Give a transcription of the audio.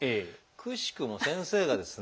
くしくも先生がですね